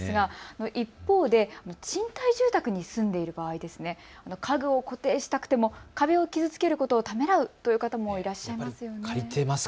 一方で賃貸住宅に住んでいる場合、家具を固定したくても壁を傷つけることをためらうという方もいらっしゃいますよね。